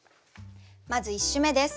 まず１首目です。